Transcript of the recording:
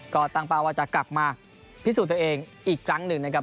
ก็ตั้งเป้าว่าจะกลับมาพิสูจน์ตัวเองอีกครั้งหนึ่งนะครับ